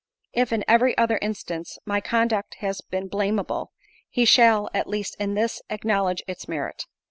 If, in every other instance, my conduct has been blameable, he shall, at least in this, acknowledge its merit.